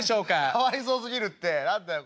「かわいそうすぎるって何だよこれ」。